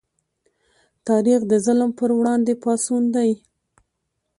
تاریخ د ظلم پر وړاندې پاڅون دی.